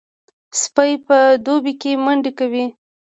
سپي په دوبي کې منډې کوي.